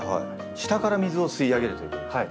下から水を吸い上げるということですか？